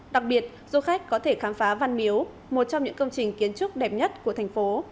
đặc biệt du khách có thể khám phá văn miếu một trong những công trình kiến trúc đẹp nhất của thành phố